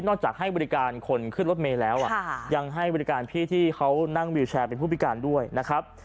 จากให้บริการคนขึ้นรถเมย์แล้วยังให้บริการพี่ที่เขานั่งวิวแชร์เป็นผู้พิการด้วยนะครับ